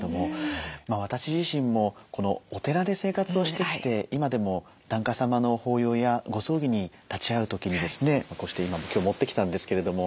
私自身もお寺で生活をしてきて今でも檀家様の法要やご葬儀に立ち会う時にですねこうして今も今日持ってきたんですけれども。